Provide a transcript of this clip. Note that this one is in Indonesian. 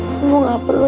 kamu gak perlu